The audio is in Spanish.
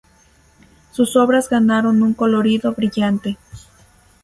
Sus obras ganaron un colorido brillante.